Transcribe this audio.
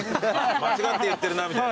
「間違って言ってるな」みたいな？